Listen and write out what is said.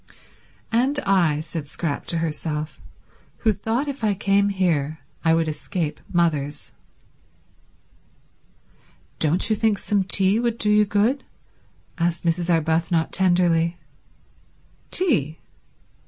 "And I," said Scrap to herself, "who thought if I came here I would escape mothers." "Don't you think some tea would do you good?" asked Mrs. Arbuthnot tenderly. Tea?